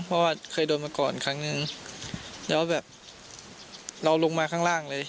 เพราะว่าเคยโดนมาก่อนครั้งนึงแล้วแบบเราลงมาข้างล่างเลย